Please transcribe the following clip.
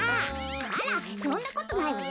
あらそんなことないわよ。